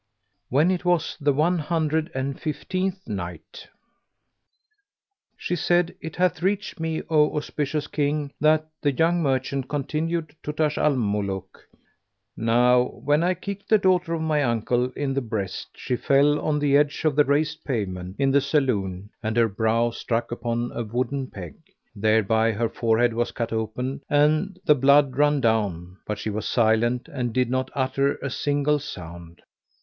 When it was the One Hundred and Fifteenth Night, She said, It hath reached me, O auspicious King, that the young merchant continued to Taj al Muluk: "Now when I kicked the daughter of my uncle in the breast she fell on the edge of the raised pavement in the saloon and her brow struck upon a wooden peg. Thereby her forehead was cut open and the blood ran down, but she was silent and did not utter a single sound.